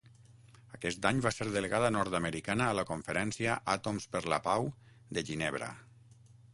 Aquest any va ser delegada nord-americana a la Conferència Àtoms per la Pau de Ginebra.